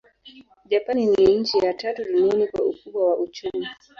Japani ni nchi ya tatu duniani kwa ukubwa wa uchumi.